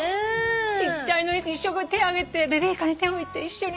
ちっちゃいのに手上げてベビーカーに手を置いて一緒に。